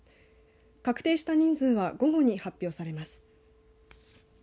確定した人数は午後に発表されます。